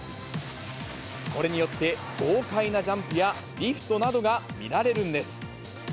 これによって、豪快なジャンプやリフトなどが見られるんです。